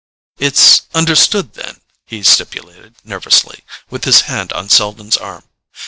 "It's understood, then?" he stipulated nervously, with his hand on Selden's arm.